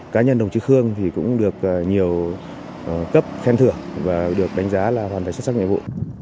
cá nhân đồng chí khương thì cũng được nhiều cấp khen thưởng và được đánh giá là hoàn thành xuất sắc nhiệm vụ